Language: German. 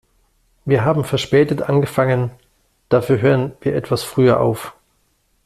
Wir haben verspätet angefangen, dafür hören wir etwas früher auf.